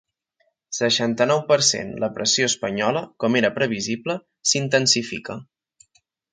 Seixanta-nou per cent La pressió espanyola, com era previsible, s’intensifica.